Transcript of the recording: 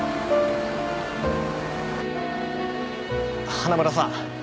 花村さん